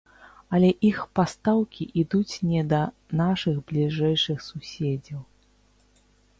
Але іх пастаўкі ідуць не да нашых бліжэйшых суседзяў.